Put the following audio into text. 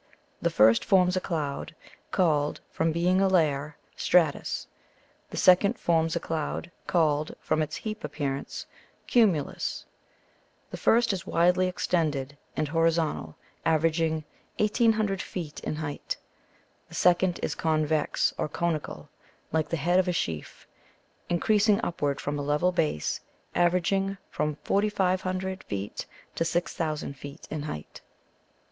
The first forms a cloud, called, from being a layer, stratus; the second forms a cloud, called, from its heap appearance, cumulus. The first is widely extended and horizontal, averaging 1800 feet in height; the second is convex or conical, like the head of a sheaf, increasing upward from a level base, averaging from 4500 feet to 6000 feet in height.